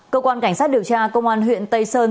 cơ quan cảnh sát điều tra công an huyện tây sơn